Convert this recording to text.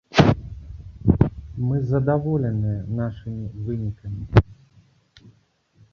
Мы задаволеныя нашымі вынікамі.